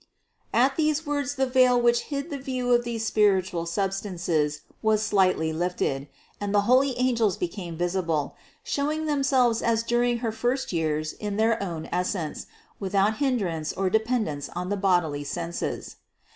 At these words the veil which hid the view of these spiritual substances was slightly lifted; and the holy angels became visible, showing themselves as dur ing her first years in their own essence, without hin drance or dependence of the bodily senses.